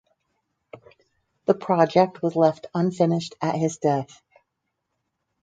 The project was left unfinished at his death.